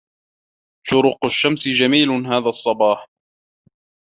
شروق الشمس جميل هذا الصباح.